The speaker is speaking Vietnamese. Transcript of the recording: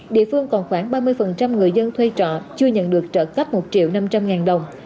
địa phương còn khoảng ba mươi người dân thuê trọ chưa nhận được trợ cấp một triệu năm trăm linh ngàn đồng